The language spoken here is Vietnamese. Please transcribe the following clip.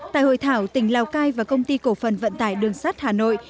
tại hội thảo tỉnh lào cai và công ty cổ phần vận tải đường sắt hà nội